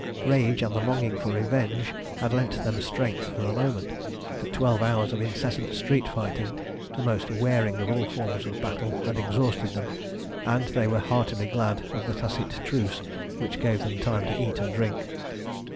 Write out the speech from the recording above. Rage and the longing for revenge had lent them strength for the moment, but twelve hours of incessant street fighting, the most wearing of all forms of battle, had exhausted them, and they were heartily glad of the tacit truce which gave them time to eat and drink.